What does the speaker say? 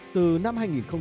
từ năm hai nghìn một mươi hai